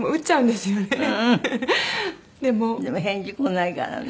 でも返事来ないからね。